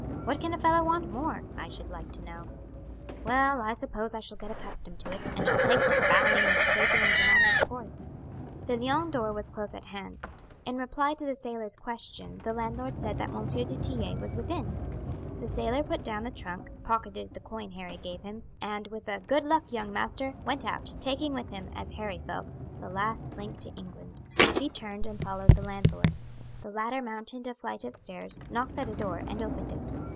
What can a fellow want more, I should like to know? Well I suppose I shall get accustomed to it, and shall take to bowing and scraping as a matter of course." The Lion door was close at hand. In reply to the sailor's question the landlord said that M. du Tillet was within. The sailor put down the trunk, pocketed the coin Harry gave him, and with a "Good luck, young master!" went out, taking with him, as Harry felt, the last link to England. He turned and followed the landlord. The latter mounted a flight of stairs, knocked at a door, and opened it.